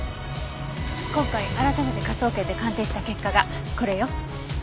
今回改めて科捜研で鑑定した結果がこれよ。